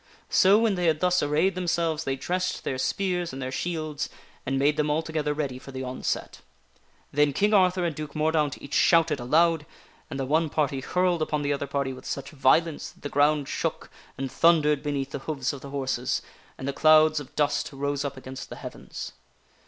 So, when they had thus arrayed themselves they dressed their spears and their shields, and made them altogether ready for the onset. Then King Arthur and Duke Mordaunt each shouted aloud, and the one party hurled upon the other party with such violence that the ground shook and thundered beneath the hoofs of the horses, and the clouds of dust rose up against the heavens.